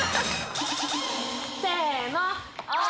せの！